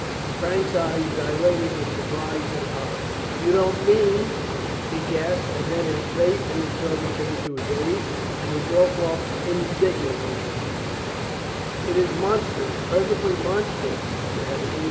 Frank's eyes dilated with surprise and horror. "You don't mean " he gasped, and then his faith in his brother came to his aid, and he broke off indignantly: "it is monstrous, perfectly monstrous, Mr. Henderson.